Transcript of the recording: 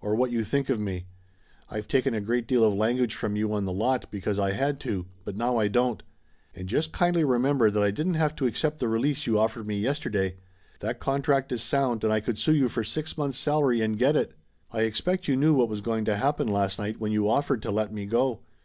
Or what you think of me. I've taken a great deal of language from you on the lot, because I had to, but now I don't. And just kindly remember that I didn't have to accept the release you offered me yesterday. That contract is sound and I could sue you for six months' salary and get it! I expect you knew what was going to happen last night, when you offered to let me go!